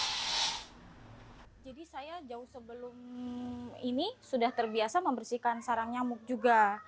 jadi saya jauh sebelum ini sudah terbiasa membersihkan sarang nyamuk juga